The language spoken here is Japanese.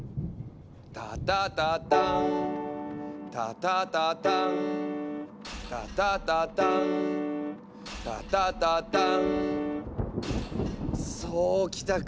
「タタタターン」「タタタターン」「タタタターン」「タタタターン」そうきたか。